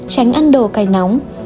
năm tránh ăn đồ cay nóng